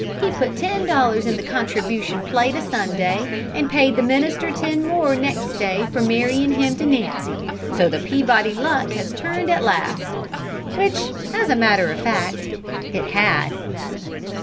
He put ten dollars in the contribution plate a Sunday, and paid the minister ten more next day for marryin' him to Nancy; so the Peabody luck has turned at last!" which, as a matter of fact, it had.